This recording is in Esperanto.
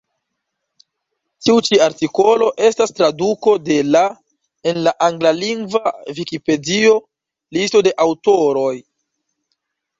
Tiu ĉi artikolo estas traduko de la en la anglalingva vikipedio, listo de aŭtoroj.